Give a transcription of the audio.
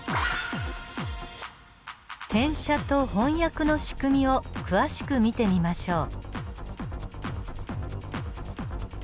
転写と翻訳の仕組みを詳しく見てみましょう。